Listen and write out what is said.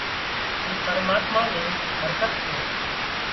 اِي پرماتما نِي برڪت سي